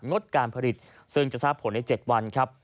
ดการผลิตซึ่งจะทราบผลใน๗วันครับ